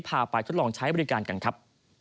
พาไปทดลองใช้บริการกันครับ